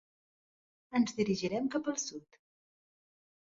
Ens dirigirem cap al sud.